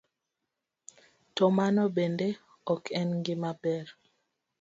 To mano bende ok en gima ber.